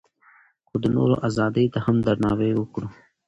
خو د نورو ازادۍ ته هم درناوی وکړو.